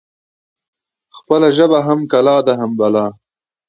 دربارونه به تاوده وي د پیرانو